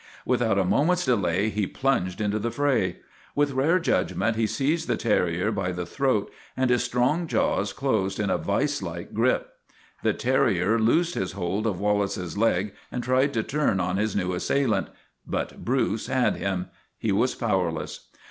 With out a moment's delay he plunged into the fray. With rare judgment he seized the terrier by the throat and his strong jaws closed in a viselike grip. The terrier loosed his hold of Wallace's leg and tried to turn on his new assailant. But Bruce had him; he was powerless.